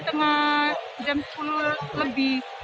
tengah jam sepuluh lebih